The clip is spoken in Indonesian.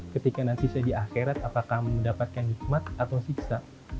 ketika nanti saya di akhirat apakah mendapatkan hikmat atau siksa